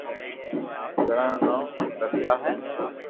ڇٽا رو نوم تينا ھي